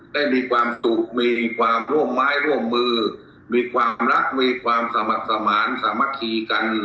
ได้มีความสุขมีความร่วมไม้ร่วมมือมีความรักมีความสมัครสมานสามัคคีกัน